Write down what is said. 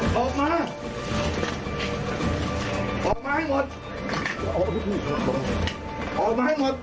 ออกมาออกมาให้หมดออกมาให้หมดออกมาให้หมดออกมาให้หมดออกมาให้หมด